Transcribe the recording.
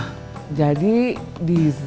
halnya kita tempankanwest noise lagi